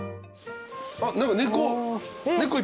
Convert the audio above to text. あっ何か猫。